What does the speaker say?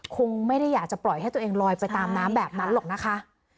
คงไม่ได้อยากจะปล่อยให้ตัวเองลอยไปตามน้ำแบบนั้นหรอกนะคะ